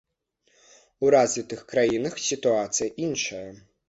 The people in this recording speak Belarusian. У развітых краінах сітуацыя іншая.